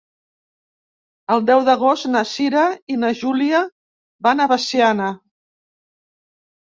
El deu d'agost na Cira i na Júlia van a Veciana.